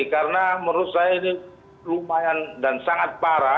karena menurut saya ini lumayan dan sangat parah